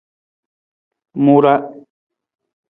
Mu ra.